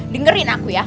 dengerin aku ya